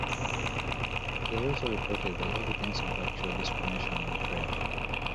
They also reported that evidence of actual discrimination was rare.